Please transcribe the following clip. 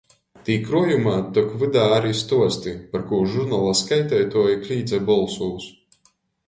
Tī kruojumā tok vydā ari stuosti, par kū žurnala skaiteituoji klīdze bolsūs.